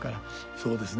そうですね。